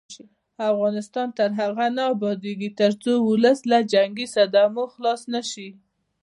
افغانستان تر هغو نه ابادیږي، ترڅو ولس له جنګي صدمو خلاص نشي.